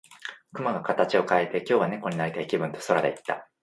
雲が形を変えて、「今日は猫になりたい気分」と空で言った。